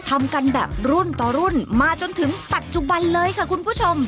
ทำกันแบบรุ่นต่อรุ่นมาจนถึงปัจจุบันเลยค่ะคุณผู้ชม